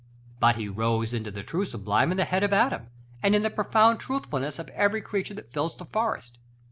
But he rose into the true sublime in the head of Adam, and in the profound truthfulness of every creature that fills the forest.